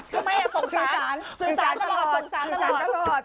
สื่อสารสลองสื่อสารตลอด